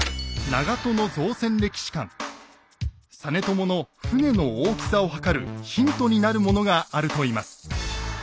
実朝の船の大きさを測るヒントになるものがあるといいます。